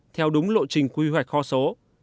theo đúng lộ trình quy hoạch kho số